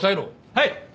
はい！